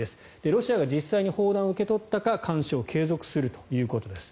ロシアが実際に砲弾を受け取ったか監視を継続するということです。